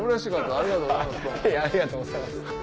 ありがとうございます。